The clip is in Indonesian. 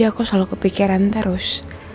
aku selalu kepikiran terus